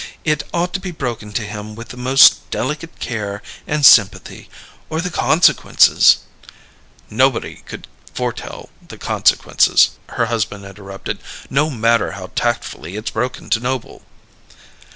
It ought to be broken to him with the most delicate care and sympathy, or the consequences " "Nobody could foretell the consequences," her husband interrupted: "no matter how tactfully it's broken to Noble."